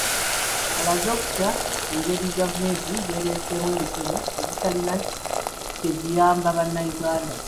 Alaze okutya ku ngeri gavumenti gy'ereeseemu emisolo egitalina kye giyamba bannayuganda.